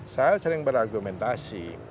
saya sering berargumentasi